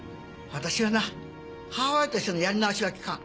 私はな母親としてのやり直しはきかん。